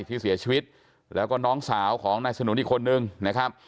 ที่เสียชีวิตแล้วก็น้องสาวของนายสนุนอีกคนนึงนะครับ